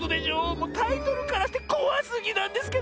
もうタイトルからしてこわすぎなんですけど！